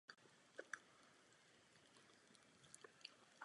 Síla se přenáší z hnacího hřídele na spojku.